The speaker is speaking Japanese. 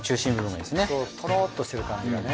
そうとろっとしてる感じがね。